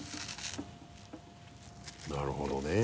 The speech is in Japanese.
なるほどね。